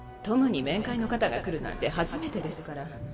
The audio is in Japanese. トムに面会の方が来るなんて初めてですから